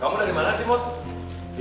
kamu dari mana sih mut